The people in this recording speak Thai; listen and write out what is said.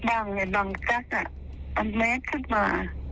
ไอ้บ้านไอ้บอล์งจั๊กต์พอเมตรขึ้นมา